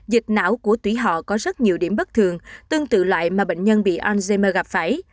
dịch não của tủy họ có rất nhiều điểm bất thường tương tự loại mà bệnh nhân bị alzheimer gặp phải